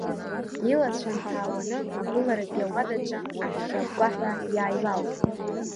Илацәа нҭаауаны, агәыларатәи ауадаҿы аӷьӷьа-агәгәаҳәа иааилалт.